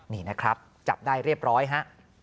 นี่นะครับจับได้เรียบร้อยฮะ